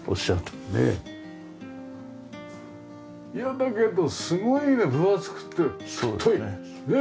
いやだけどすごいね分厚くて太いね。